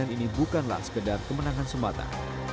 dan ini bukanlah sekedar kemenangan semata